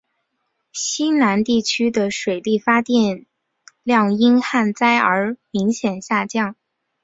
西南地区的水力发电量因旱灾而明显下降。